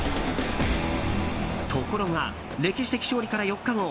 ところが、歴史的勝利から４日後。